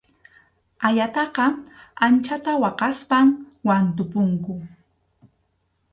Ayataqa anchata waqaspam wantupunku.